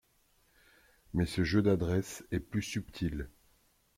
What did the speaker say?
Mais ce jeu d'adresse est plus subtil...